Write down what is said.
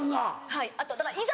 はいあとはだからいざ